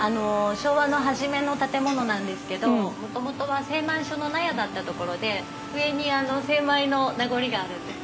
昭和の初めの建物なんですけどもともとは精米所の納屋だった所で上に精米の名残があるんです。